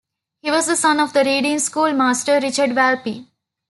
He was the son of the Reading schoolmaster Richard Valpy.